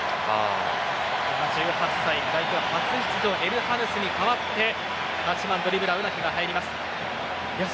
１８歳、代表初出場エルハヌスに代わって８番、ドリブラーウナヒが入ります。